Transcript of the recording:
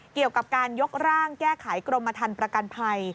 เกี่ยวกับการยกร่างแก้ไขกรมทันประกันภัย